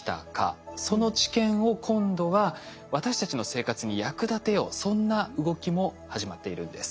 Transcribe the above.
その知見を今度は私たちの生活に役立てようそんな動きも始まっているんです。